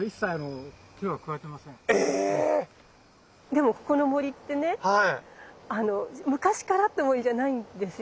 ⁉でもここの森ってね昔からあった森じゃないんですよね？